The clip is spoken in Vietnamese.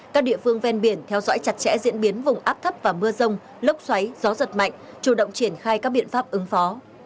các địa phương ven biển theo dõi chặt chẽ diễn biến vùng áp thấp và mưa rông lốc xoáy gió giật mạnh chủ động triển khai các biện pháp ứng phó